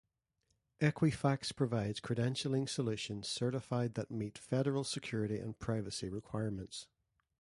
Equifax provides credentialing solutions certified that meet Federal security and privacy requirements.